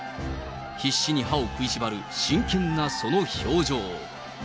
必死に歯を食いしばる真剣なその表情。